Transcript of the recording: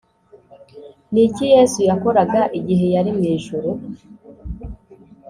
Ni iki yesu yakoraga igihe yari mu ijuru